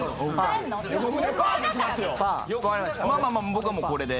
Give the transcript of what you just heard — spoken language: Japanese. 僕はもうこれで。